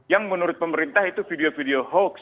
yang menurut pemerintah itu video video hoax